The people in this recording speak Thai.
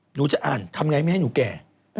หนูจะอ่านทำไงไม่ให้หนูแก่